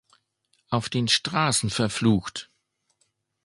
Auf den Straßen verflucht!